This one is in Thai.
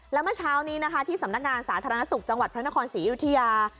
แล้วเมื่อเช้านี้นะคะที่สำนักงานสาธารณสุขจังหวัดพระนครศรีอยุธยา